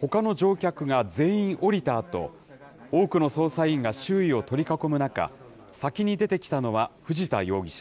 ほかの乗客が全員降りたあと、多くの捜査員が周囲を取り囲む中、先に出てきたのは藤田容疑者。